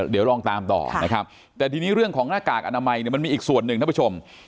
เดี๋ยวลองตามต่อนะครับแต่ทีนี้เรื่องของหน้ากากอนามัยเนี่ยมันมีอีกส่วนหนึ่งท่านผู้ชม